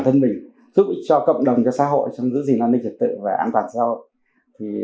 trong mọi thời đại